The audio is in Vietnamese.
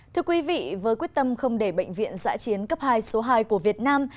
thưa quý vị với quyết tâm không để bệnh viện giã chiến cấp hai số hai của việt nam